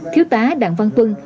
thiếu tá đặng văn tuân